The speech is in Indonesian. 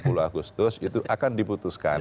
sebelum tanggal sepuluh agustus itu akan diputuskan